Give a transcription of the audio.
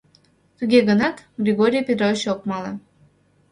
Туге гынат, Григорий Петрович ок мале.